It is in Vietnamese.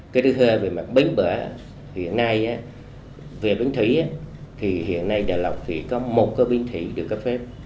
cái thứ hơi về mặt bến bờ hiện nay về bến thủy thì hiện nay đà lộc chỉ có một cái bến thủy được cấp phép